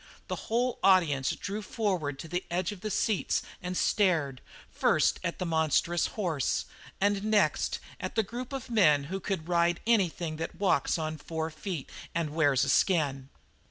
The whole audience drew forward to the edge of the seats and stared, first at the monstrous horse, and next at the group of men who could "ride anything that walks on four feet and wears a skin."